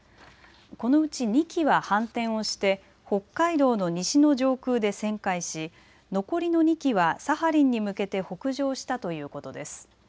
このうち２機は反転をして北海道の西の上空で旋回し残りの２機はサハリンに向けて北上したということです。